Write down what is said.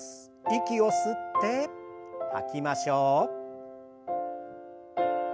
息を吸って吐きましょう。